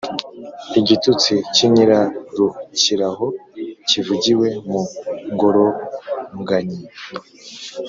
lgitutsi cy'inyirarukiraho, kivugiwe mu ngoroganyi